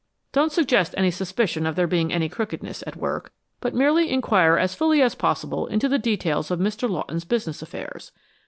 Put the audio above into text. Don't suggest any suspicion of there being any crookedness at work, but merely inquire as fully as possible into the details of Mr. Lawton's business affairs.